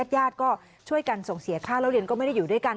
ญาติก็ช่วยกันส่งเสียค่าแล้วเรียนก็ไม่ได้อยู่ด้วยกัน